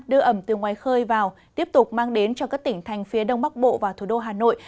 đưa ẩm từ ngoài khơi vào tiếp tục mang đến cho các tỉnh thành phía đông bắc bộ và thủ đô hà nội